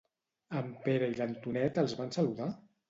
En Pere i l'Antonet els van saludar?